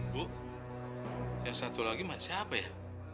bu ya satu lagi masih apa ya